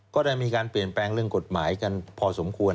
ก็ได้มีการเปลี่ยนแปลงเรื่องกฎหมายกันพอสมควร